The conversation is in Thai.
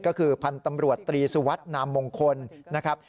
ก็คือพันธ์ตำรวจตรีศวรรษนามงคลนะครับ